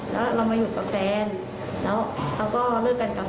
แล้วเรามาอยู่กับแฟนแล้วเขาก็เลิกกันกับ